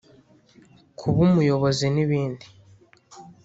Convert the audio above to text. kuba umuyobozi n’ibindi